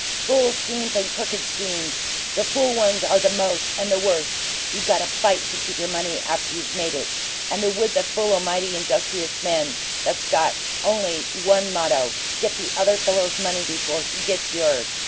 Fool schemes and crooked schemes; the fool ones are the most and the worst! You got to FIGHT to keep your money after you've made it. And the woods are full o' mighty industrious men that's got only one motto: 'Get the other fellow's money before he gets yours!'